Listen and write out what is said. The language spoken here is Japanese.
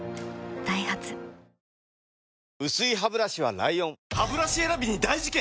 ダイハツ薄いハブラシは ＬＩＯＮハブラシ選びに大事件！